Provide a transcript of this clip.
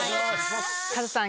カズさん